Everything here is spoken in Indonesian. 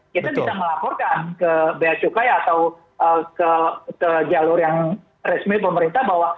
kita bisa melaporkan ke bacukai atau ke jalur yang resmi pemerintah bahwa